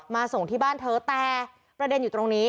ส่งที่บ้านเธอแต่ประเด็นอยู่ตรงนี้